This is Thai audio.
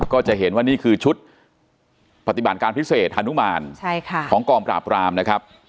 ก็จะเห็นว่านี่คือชุดปฏิบัติการพิเศษฮานุมานของกองปราบรามนะครับ